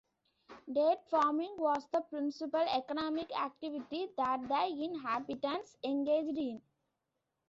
Date farming was the principal economic activity that the inhabitants engaged in.